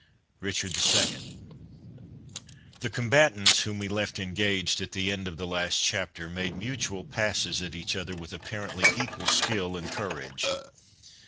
RICHARD II. The combatants, whom we left engaged at the end of the last chapter, made mutual passes at each other with apparently equal skill and courage.